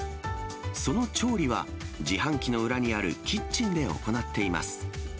その調理は、自販機の裏にあるキッチンで行っています。